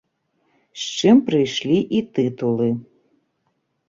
З чым прыйшлі і тытулы.